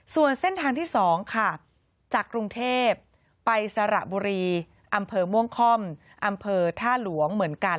ส่วนเส้นทางที่๒ค่ะจากกรุงเทพไปสระบุรีอำเภอม่วงค่อมอำเภอท่าหลวงเหมือนกัน